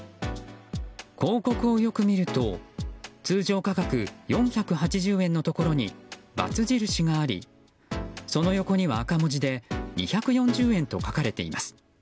広告をよく見ると通常価格４８０円のところにバツ印がありその横には赤文字で２４０円と書かれています。